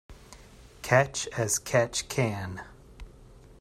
Catch as catch can.